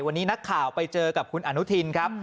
วันนี้นักข่าวไปเจอกับคุณอนุทินครับ